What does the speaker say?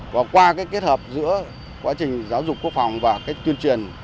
và qua kết hợp giữa quá trình giáo dục quốc phòng và tuyên truyền